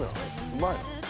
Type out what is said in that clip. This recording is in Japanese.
うまいの？